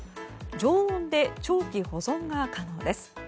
常温で長期保存が可能です。